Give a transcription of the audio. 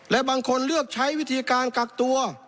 และบางคนเลือกใช้วิธีการกักตัว